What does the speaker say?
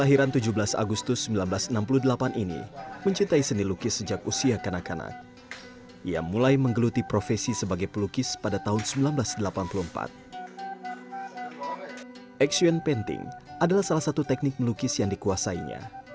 action penting adalah salah satu teknik melukis yang dikuasainya